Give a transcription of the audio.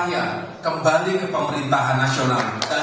dan ikut berkontribusi untuk memperjuangkan harga